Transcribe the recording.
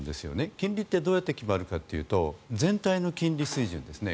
金利ってどうやって決まるかというと全体の金利水準ですね。